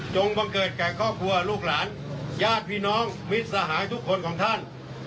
บังเกิดแก่ครอบครัวลูกหลานญาติพี่น้องมิตรสหายทุกคนของท่าน